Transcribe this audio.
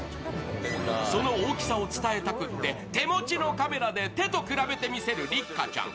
その大きさを伝えたくて、手持ちのカメラで手と比べて見せる六花ちゃん。